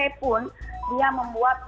jadi bagaimana menurut anda